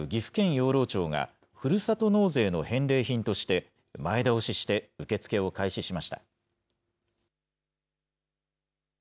養老町がふるさと納税の返礼品として前倒しして受け付けを開始しました。